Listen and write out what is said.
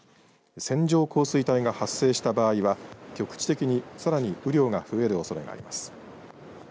線状降水帯が発生した場合は局地的に、さらに雨量が増えるおそれがあります。